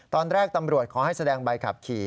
ตอนแรกตำรวจขอให้แสดงใบขับขี่